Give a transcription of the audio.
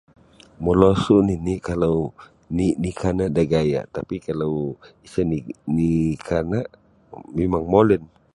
Molosu nini kalau ni ni kana da gaya tapi kalau isa ni ni kana mimang molin